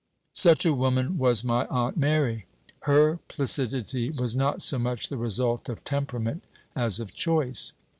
Such a woman was my Aunt Mary. Her placidity was not so much the result of temperament as of choice.